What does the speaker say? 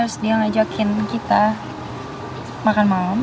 terus dia ngajakin kita makan malam